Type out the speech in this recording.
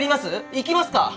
いきますか？